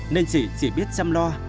nên chị chỉ biết chăm lái